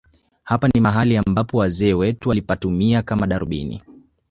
Hapa ni mahali ambapo wazee wetu walipatumia kama darubini